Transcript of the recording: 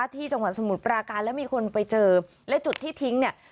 ที่จังหวัดสมุทรปราการแล้วมีคนไปเจอและจุดที่ทิ้งเนี่ย